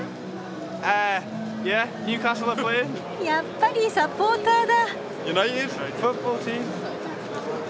やっぱりサポーターだ！